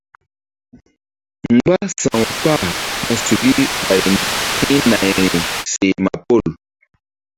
Mgbása̧w kpah ɓa suki ɓay hi̧nayri seh ma pol.